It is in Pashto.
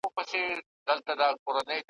غلیم ته غشی تر دوست قربان یم ,